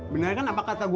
bener kan apa kata gue